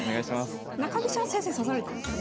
中飛車先生指されたんですね。